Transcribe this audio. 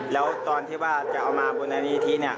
แล้วตอนที่ว่าจะเอามาบนอาณาธิเนี่ย